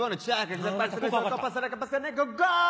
ゴール！